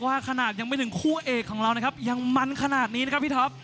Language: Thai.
น่าขนาดไม่ถึงคู่เอกของเรายังมั้นขนาดนี้ครับพี่ท็อป